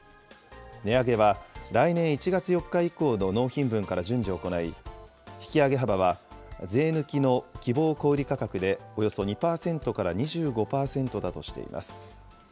値上げは来年１月４日以降の納品分から順次行い、引き上げ幅は、税抜きの希望小売り価格でおよそ２％から２５％だとしています。